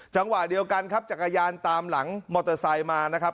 จังหวะเดียวกันครับจักรยานตามหลังมอเตอร์ไซค์มานะครับ